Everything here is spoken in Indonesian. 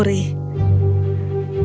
dan menuduhnya telah mencuri